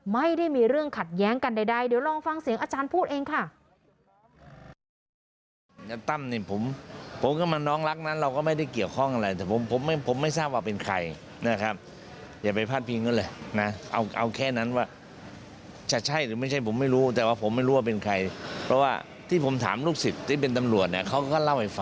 ไม่ได้มีเรื่องขัดแย้งกันใดเดี๋ยวลองฟังเสียงอาจารย์พูดเองค่ะ